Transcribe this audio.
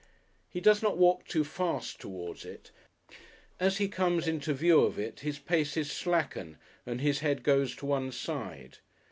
He does not walk too fast towards it; as he comes into view of it his paces slacken and his head goes to one side.